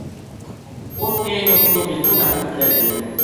اس ٹیم اس کو نِکو جاتک رہ گیو